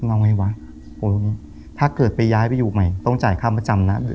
เอาไงวะโอ้ยถ้าเกิดไปย้ายไปอยู่ใหม่ต้องจ่ายค่าประจำนะ